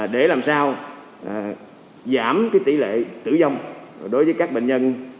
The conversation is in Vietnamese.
để làm sao giảm tỷ lệ tử vong đối với các bệnh nhân